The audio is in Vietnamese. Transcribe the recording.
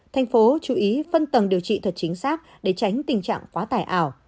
thành phố chú ý phân tầng điều trị thật chính xác để tránh tình trạng quá tải ảo